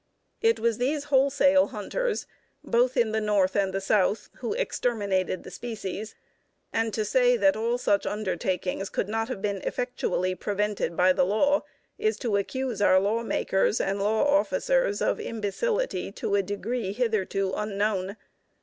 It was these wholesale hunters, both in the North and the South, who exterminated the species, and to say that all such undertakings could not have been effectually prevented by law is to accuse our law makers and law officers of imbecility to a degree hitherto unknown.